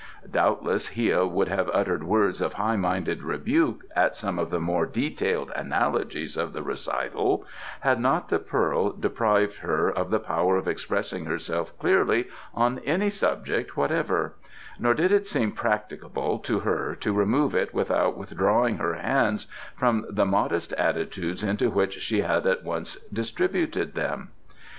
Doubtless Hia would have uttered words of high minded rebuke at some of the more detailed analogies of the recital had not the pearl deprived her of the power of expressing herself clearly on any subject whatever, nor did it seem practicable to her to remove it without withdrawing her hands from the modest attitudes into which she had at once distributed them.